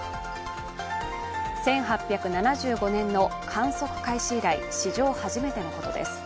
１８７５年に観測開始以来史上初めてのことです。